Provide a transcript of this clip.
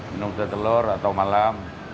minum kuda telur atau malam